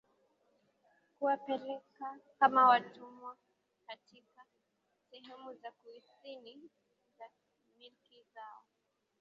kuwapeleka kama watumwa katika sehemu za kusini za milki zao